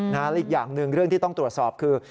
และอีกอย่างหนึ่งเรื่องที่ต้องตรวจสอบคือ